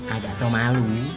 agak tuh malu